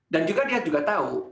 dan dia juga tahu